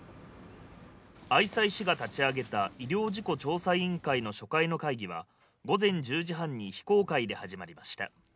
愛西市が立ち上げた医療事故調査委員会の初回の会議は午前１０時半に非公開で始まりました。